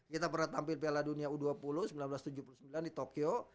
kita pernah tampil piala dunia u dua puluh seribu sembilan ratus tujuh puluh sembilan di tokyo